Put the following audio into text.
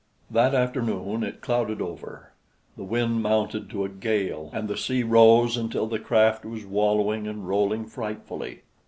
That afternoon it clouded over; the wind mounted to a gale, and the sea rose until the craft was wallowing and rolling frightfully.